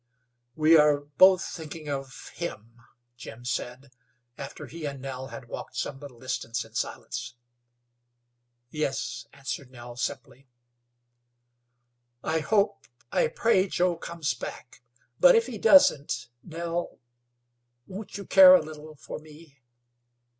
"We are both thinking of him," Jim said, after he and Nell had walked some little way in silence. "Yes," answered Nell, simply. "I hope I pray Joe comes back, but if he doesn't Nell won't you care a little for me?"